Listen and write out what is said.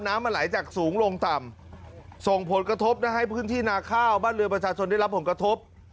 น้ำมันไหลจากสูงลงต่ำส่งผลกระทบให้พื้นที่นาข้าวบ้านเรือนประชาชนได้รับผลกระทบ